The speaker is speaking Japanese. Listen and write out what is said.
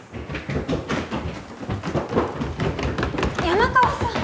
山川さん！